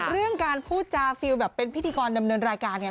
เรื่องการพูดจาฟิลแบบเป็นพิธีกรดำเนินรายการไง